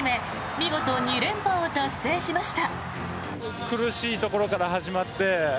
見事２連覇を達成しました。